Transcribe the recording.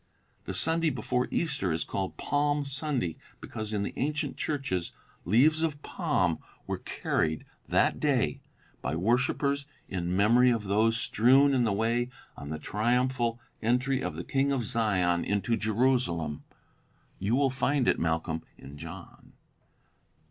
The Sunday before Easter is called Palm Sunday because in the ancient churches leaves of palm were carried that day by worshipers in memory of those strewn in the way on the triumphal entry of the King of Zion into Jerusalem. You will find it, Malcolm, in John."